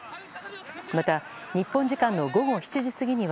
また日本時間の午後７時過ぎには